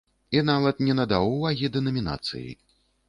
І нават не надаў увагі дэнамінацыі.